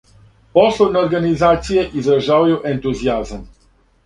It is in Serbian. Пословне организације изражавају ентузијазам.